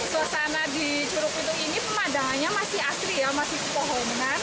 suasana di curug pitung ini pemandangannya masih asli ya masih kepohonan